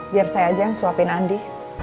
biar saya aja yang suapin andi